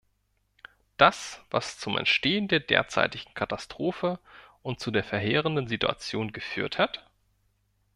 Das, was zum Entstehen der derzeitigen Katastrophe und zu der verheerenden Situation geführt hat?